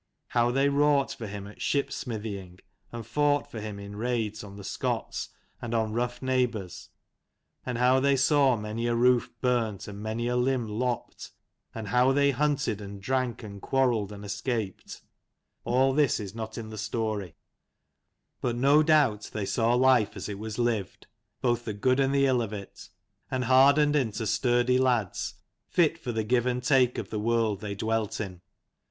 How they wrought for him at ship smithying, and fought for him in raids on the Scots and on rough neighbours, and how they saw many a roof burnt and many a limb lopped, and how they hunted and drank and quarrelled and escaped, all this is not in the story : but no 183 doubt they saw life as it was lived, both the good and the ill of it, and hardened into sturdy lads, fit for the give and take of the world they dwelt in.